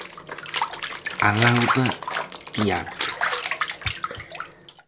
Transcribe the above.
Alauda Teatro.